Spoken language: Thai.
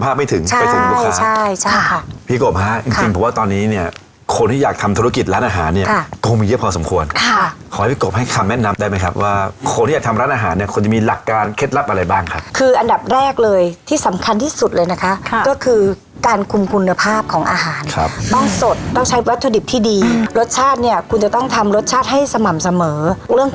อาหารเนี้ยคงมีเยอะพอสมควรค่ะขอให้พี่กบให้คำแนะนำได้ไหมครับว่าคนที่อยากทำร้านอาหารเนี้ยคงจะมีหลักการเคล็ดลับอะไรบ้างค่ะคืออันดับแรกเลยที่สำคัญที่สุดเลยนะคะค่ะก็คือการคุมคุณภาพของอาหารครับต้องสดต้องใช้วัตถุดิบที่ดีรสชาติเนี้ยคุณจะต้องทำรสชาติให้สม่ำเส